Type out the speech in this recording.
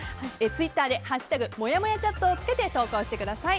ツイッターで「＃もやもやチャット」をつけて投稿してください。